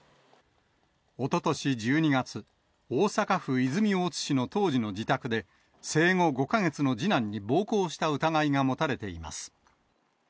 おととし１２月、大阪府泉大津市の当時の自宅で、生後５か月の次男に暴行した疑いが持たれています。